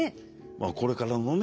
まあこれからのね